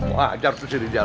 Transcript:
wah ajar tuh si rizal